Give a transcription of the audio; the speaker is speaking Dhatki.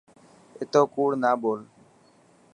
اتو ڪوڙ نا ٻول.